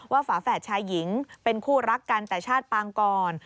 ฝาแฝดชายหญิงเป็นคู่รักกันแต่ชาติปางก่อน